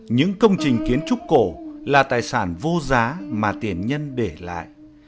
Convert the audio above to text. những công trình kiến trúc cổ là tài sản vô giá mà tiền nhân để lại